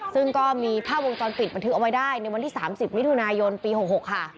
ซึ่งก็มีภาพวงจรปิดบันทึกเอาไว้ได้ในวันที่๓๐มิถุนายนปี๖๖ค่ะ